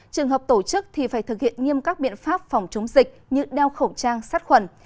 trường hợp tổ chức thì phải thực hiện nghiêm các biện pháp phòng chống dịch như đeo khẩu trang sát khuẩn